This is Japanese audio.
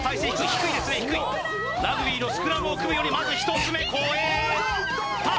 低いラグビーのスクラムを組むようにまず１つ目こえた！